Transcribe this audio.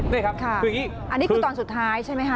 นี่ครับคืออย่างนี้อันนี้คือตอนสุดท้ายใช่ไหมคะ